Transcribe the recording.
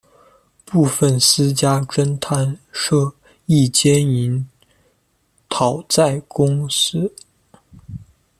部份私家侦探社亦兼营讨债公司。